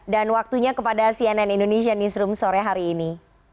dan waktunya kepada cnn indonesian newsroom sore hari ini